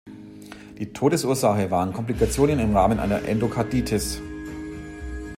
Die Todesursache waren Komplikationen im Rahmen einer Endokarditis.